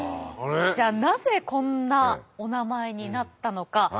じゃあなぜこんなおなまえになったのか。